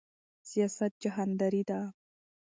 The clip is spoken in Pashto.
سیاست جهانداری ده